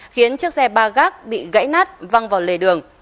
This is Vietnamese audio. khiến chiếc xe ba gác bị gãy nát văng vào lề đường